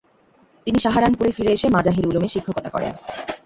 তিনি সাহারানপুরে ফিরে এসে মাজাহির উলুমে শিক্ষকতা করেন।